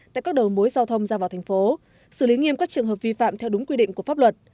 tại các đầu mối giao thông ra vào thành phố xử lý nghiêm các trường hợp vi phạm theo đúng quy định của pháp luật